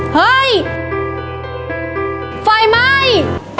เฮ้ยไฟไหม้